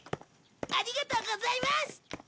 ありがとうございます！